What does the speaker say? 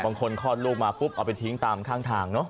คลอดลูกมาปุ๊บเอาไปทิ้งตามข้างทางเนอะ